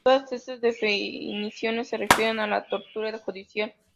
Todas estas definiciones se refieren a la tortura judicial.